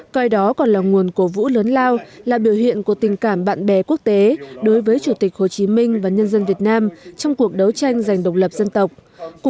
coi đó còn là nguồn cổ vũ lớn lao là biểu hiện của tình cảm bạn bè quốc tế đối với chủ tịch hồ chí minh và nhân dân việt nam trong cuộc đấu tranh giành độc lập dân tộc